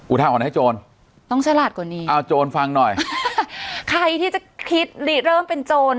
ทาหรณ์ให้โจรต้องฉลาดกว่านี้เอาโจรฟังหน่อยใครที่จะคิดลีเริ่มเป็นโจร